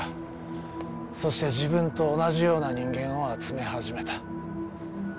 そして自分と同じような人間を集め始めた。